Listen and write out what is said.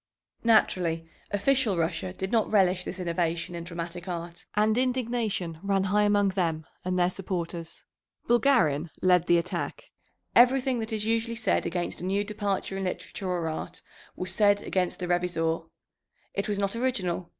Naturally official Russia did not relish this innovation in dramatic art, and indignation ran high among them and their supporters. Bulgarin led the attack. Everything that is usually said against a new departure in literature or art was said against the Revizor. It was not original.